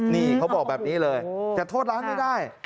นี่เขาบอกแบบนี้เลยจะโทษร้านไม่ได้